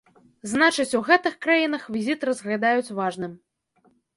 Значыць, у гэтых краінах візіт разглядаюць важным.